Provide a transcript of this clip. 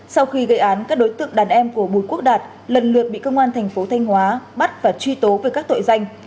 sau khi gây án các đối tượng đàn em của bùi quốc đạt lần lượt bị công an thành phố thanh hóa bắt và truy tố về các tội danh